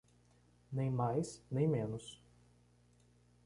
Nem mais, nem menos.